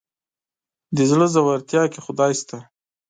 د زړه ژورتيا کې خدای شته.